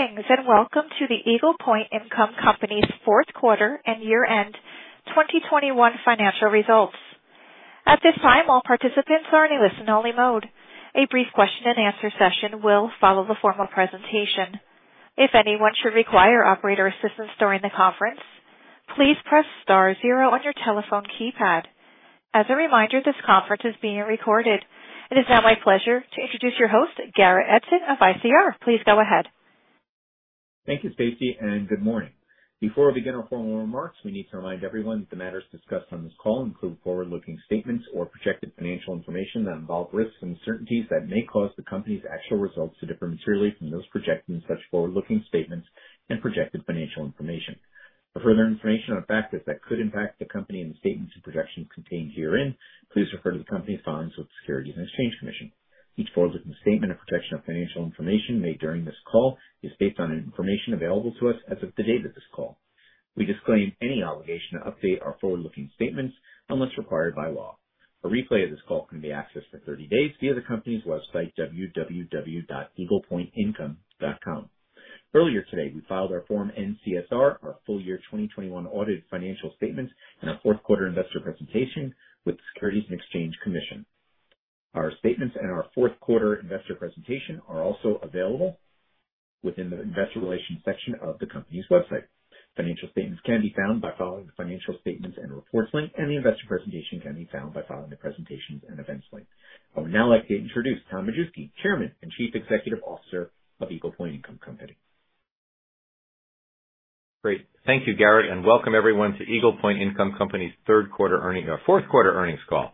Welcome to the Eagle Point Income Company's fourth quarter and year-end 2021 financial results. At this time, all participants are in listen-only mode. A brief question and answer session will follow the formal presentation. If anyone should require operator assistance during the conference, please press star zero on your telephone keypad. As a reminder, this conference is being recorded. It is now my pleasure to introduce your host, Garrett Edson of ICR. Please go ahead. Thank you, Stacy, and good morning. Before we begin our formal remarks, we need to remind everyone that the matters discussed on this call include forward-looking statements or projected financial information that involve risks and uncertainties that may cause the company's actual results to differ materially from those projected in such forward-looking statements and projected financial information. For further information on factors that could impact the company and the statements and projections contained herein, please refer to the company's filings with the Securities and Exchange Commission. Each forward-looking statement and projection of financial information made during this call is based on information available to us as of the date of this call. We disclaim any obligation to update our forward-looking statements unless required by law. A replay of this call can be accessed for 30 days via the company's website, www.eaglepointincome.com. Earlier today, we filed our Form N-CSR, our full year 2021 audited financial statements, and our fourth quarter investor presentation with the Securities and Exchange Commission. Our statements and our fourth quarter investor presentation are also available within the investor relations section of the company's website. Financial statements can be found by following the Financial Statements and Reports link, and the investor presentation can be found by following the Presentations and Events link. I would now like to introduce Tom Majewski, Chairman and Chief Executive Officer of Eagle Point Income Company. Great. Thank you, Garrett, and welcome everyone to Eagle Point Income Company's fourth quarter earnings call.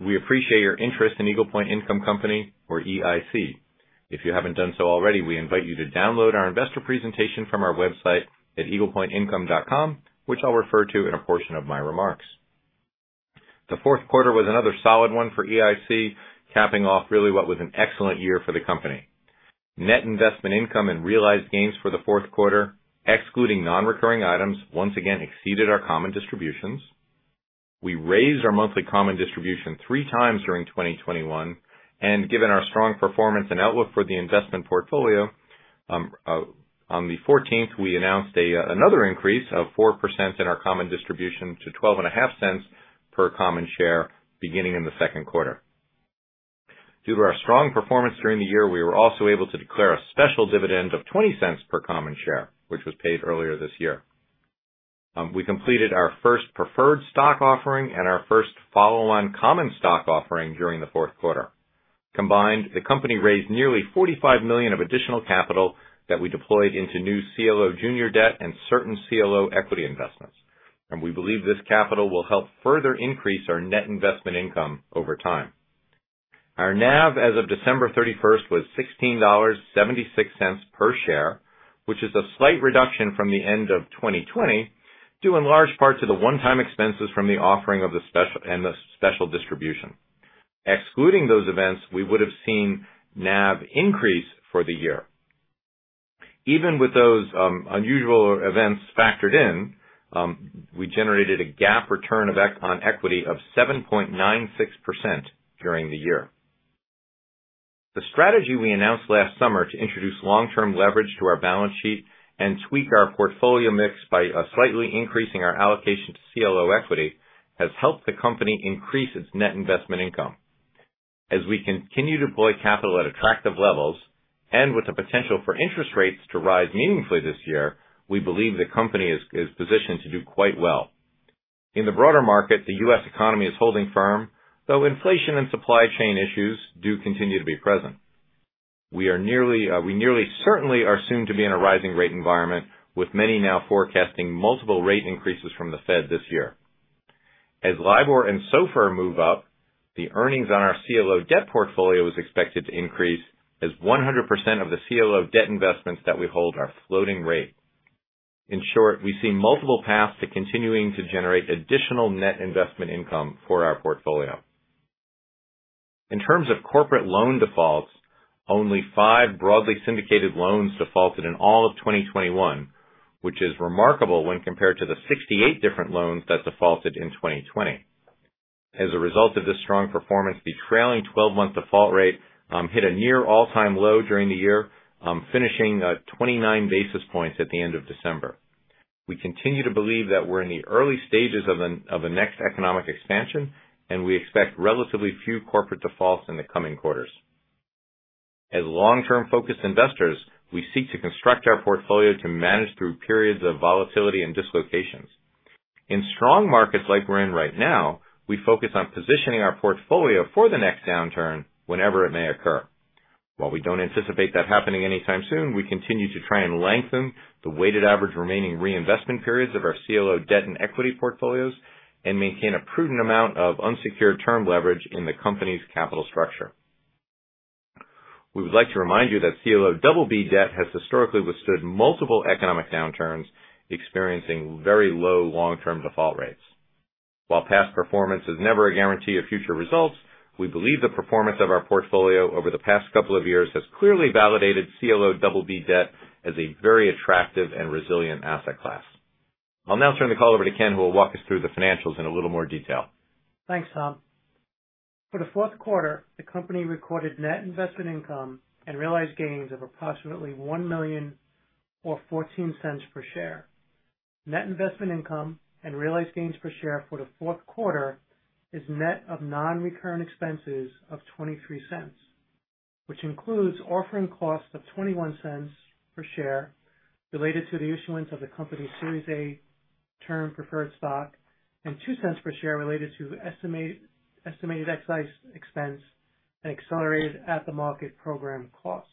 We appreciate your interest in Eagle Point Income Company or EIC. If you haven't done so already, we invite you to download our investor presentation from our website at eaglepointincome.com, which I'll refer to in a portion of my remarks. The fourth quarter was another solid one for EIC, capping off really what was an excellent year for the company. Net investment income and realized gains for the fourth quarter, excluding non-recurring items, once again exceeded our common distributions. We raised our monthly common distribution three times during 2021, and given our strong performance and outlook for the investment portfolio, on the 14th, we announced another increase of 4% in our common distribution to $0.125 per common share beginning in the second quarter. Due to our strong performance during the year, we were also able to declare a special dividend of $0.20 per common share, which was paid earlier this year. We completed our first preferred stock offering and our first follow-on common stock offering during the fourth quarter. Combined, the company raised nearly $45 million of additional capital that we deployed into new CLO junior debt and certain CLO equity investments. We believe this capital will help further increase our net investment income over time. Our NAV as of December 31st was $16.76 per share, which is a slight reduction from the end of 2020, due in large part to the one-time expenses from the offering and the special distribution. Excluding those events, we would have seen NAV increase for the year. Even with those unusual events factored in, we generated a GAAP return on equity of 7.96% during the year. The strategy we announced last summer to introduce long-term leverage to our balance sheet and tweak our portfolio mix by slightly increasing our allocation to CLO equity has helped the company increase its net investment income. As we continue to deploy capital at attractive levels, and with the potential for interest rates to rise meaningfully this year, we believe the company is positioned to do quite well. In the broader market, the U.S. economy is holding firm, though inflation and supply chain issues do continue to be present. We nearly certainly are soon to be in a rising rate environment, with many now forecasting multiple rate increases from the Fed this year. As LIBOR and SOFR move up, the earnings on our CLO debt portfolio is expected to increase as 100% of the CLO debt investments that we hold are floating rate. In short, we see multiple paths to continuing to generate additional net investment income for our portfolio. In terms of corporate loan defaults, only five broadly syndicated loans defaulted in all of 2021, which is remarkable when compared to the 68 different loans that defaulted in 2020. As a result of this strong performance, the trailing twelve-month default rate hit a near all-time low during the year, finishing at 29 basis points at the end of December. We continue to believe that we're in the early stages of a next economic expansion, and we expect relatively few corporate defaults in the coming quarters. As long-term focused investors, we seek to construct our portfolio to manage through periods of volatility and dislocations. In strong markets like we're in right now, we focus on positioning our portfolio for the next downturn whenever it may occur. While we don't anticipate that happening anytime soon, we continue to try and lengthen the weighted average remaining reinvestment periods of our CLO debt and equity portfolios and maintain a prudent amount of unsecured term leverage in the company's capital structure. We would like to remind you that CLO BB debt has historically withstood multiple economic downturns, experiencing very low long-term default rates. While past performance is never a guarantee of future results, we believe the performance of our portfolio over the past couple of years has clearly validated CLO BB debt as a very attractive and resilient asset class. I'll now turn the call over to Ken, who will walk us through the financials in a little more detail. Thanks, Tom. For the fourth quarter, the company recorded net investment income and realized gains of approximately $1 million or $0.14 per share. Net investment income and realized gains per share for the fourth quarter is net of non-recurring expenses of $0.23, which includes offering costs of $0.21 per share related to the issuance of the company's Series A Term Preferred Stock, and $0.02 per share related to estimated excise expense and accelerated at the market program costs.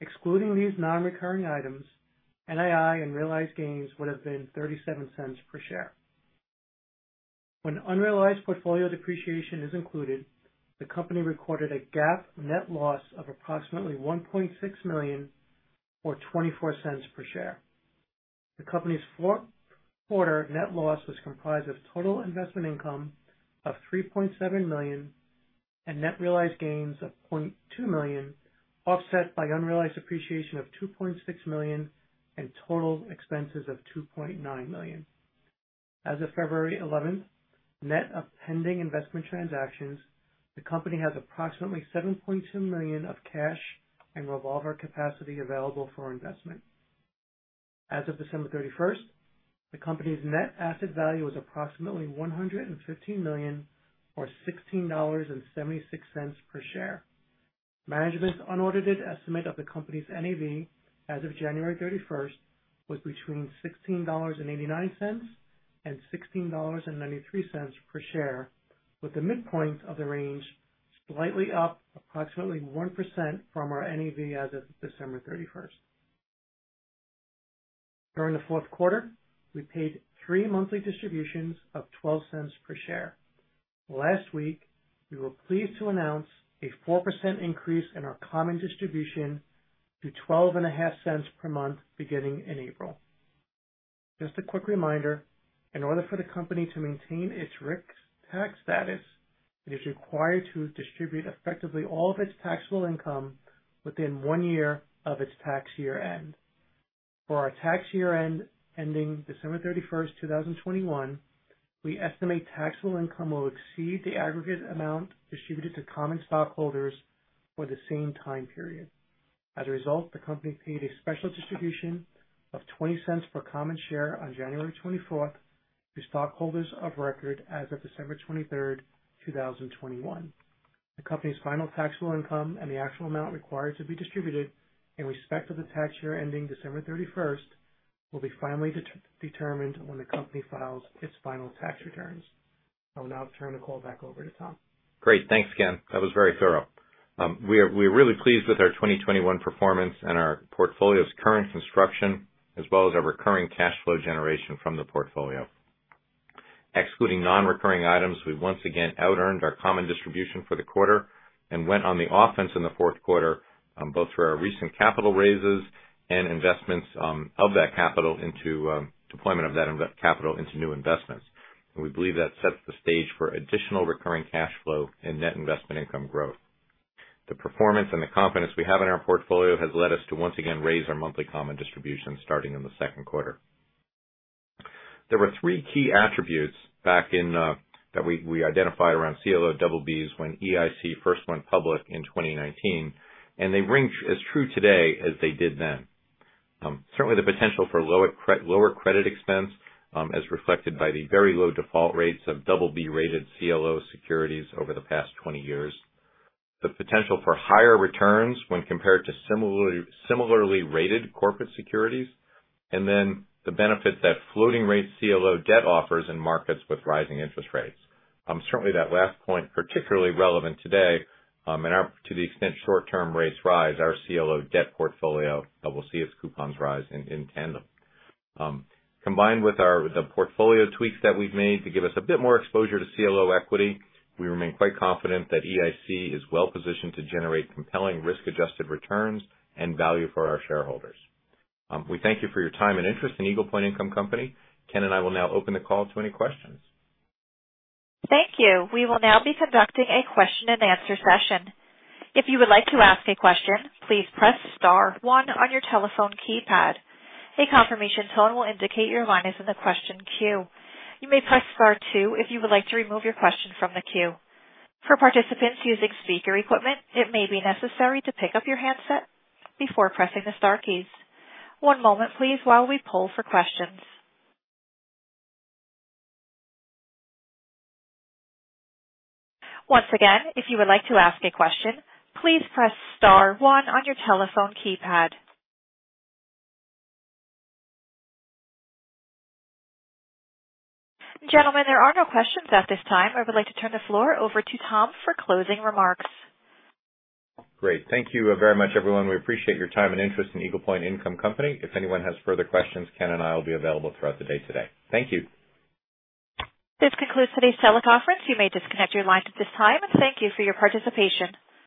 Excluding these non-recurring items, NII and realized gains would have been $0.37 per share. When unrealized portfolio depreciation is included, the company recorded a GAAP net loss of approximately $1.6 million or $0.24 per share. The company's fourth-quarter net loss was comprised of total investment income of $3.7 million and net realized gains of $0.2 million, offset by unrealized depreciation of $2.6 million and total expenses of $2.9 million. As of February 11th, net of pending investment transactions, the company has approximately $7.2 million of cash and revolver capacity available for investment. As of December 31st, the company's net asset value was approximately $115 million or $16.76 per share. Management's unaudited estimate of the company's NAV as of January 31st was between $16.89 and $16.93 per share, with the midpoint of the range slightly up approximately 1% from our NAV as of December 31st. During the fourth quarter, we paid three monthly distributions of $0.12 per share. Last week, we were pleased to announce a 4% increase in our common distribution to $0.125 per month, beginning in April. Just a quick reminder, in order for the company to maintain its RIC tax status, it is required to distribute effectively all of its taxable income within one year of its tax year-end. For our tax year ending December 31st, 2021, we estimate taxable income will exceed the aggregate amount distributed to common stockholders for the same time period. As a result, the company paid a special distribution of $0.20 per common share on January 24th to stockholders of record as of December 23rd, 2021. The company's final taxable income and the actual amount required to be distributed in respect of the tax year ending December 31st will be finally determined when the company files its final tax returns. I will now turn the call back over to Tom. Great. Thanks, Ken. That was very thorough. We're really pleased with our 2021 performance and our portfolio's current construction, as well as our recurring cash flow generation from the portfolio. Excluding non-recurring items, we've once again out-earned our common distribution for the quarter and went on the offense in the fourth quarter, both for our recent capital raises and investments, of that capital into deployment of that invested capital into new investments. We believe that sets the stage for additional recurring cash flow and net investment income growth. The performance and the confidence we have in our portfolio has led us to once again raise our monthly common distribution starting in the second quarter. There were three key attributes back in that we identified around CLO BBs when EIC first went public in 2019, and they ring as true today as they did then. Certainly the potential for lower credit expense, as reflected by the very low default rates of BB-rated CLO securities over the past 20 years. The potential for higher returns when compared to similarly rated corporate securities. Then the benefit that floating-rate CLO debt offers in markets with rising interest rates. Certainly that last point, particularly relevant today, and our, to the extent short-term rates rise, our CLO debt portfolio will see its coupons rise in tandem. Combined with the portfolio tweaks that we've made to give us a bit more exposure to CLO equity, we remain quite confident that EIC is well-positioned to generate compelling risk-adjusted returns and value for our shareholders. We thank you for your time and interest in Eagle Point Income Company. Ken and I will now open the call to any questions. Thank you. We will now be conducting a question-and-answer session. If you would like to ask a question, please press star one on your telephone keypad. A confirmation tone will indicate your line is in the question queue. You may press star two if you would like to remove your question from the queue. For participants using speaker equipment, it may be necessary to pick up your handset before pressing the star keys. One moment, please, while we poll for questions. Once again, if you would like to ask a question, please press star one on your telephone keypad. Gentlemen, there are no questions at this time. I would like to turn the floor over to Tom for closing remarks. Great. Thank you, very much, everyone. We appreciate your time and interest in Eagle Point Income Company. If anyone has further questions, Ken and I will be available throughout the day today. Thank you. This concludes today's teleconference. You may disconnect your line at this time, and thank you for your participation.